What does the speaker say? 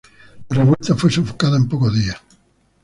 La revuelta fue sofocada en pocos días.